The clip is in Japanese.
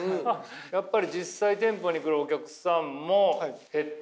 やっぱり実際店舗に来るお客さんも減って？